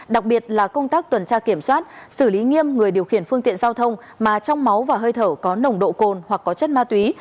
đặc biệt là công tác tuần tra kiểm soát xử lý nghiêm người điều khiển phương tiện giao thông mà trong máu và hơi thở có nồng độ cồn hoặc có chất ma túy